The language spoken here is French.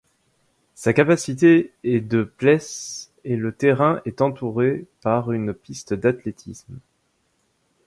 Sa capacité est de places et le terrain est entouré par une piste d'athlétisme.